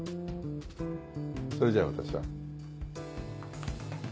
それじゃあ私は。